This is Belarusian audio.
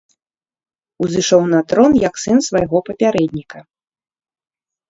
Узышоў на трон як сын свайго папярэдніка.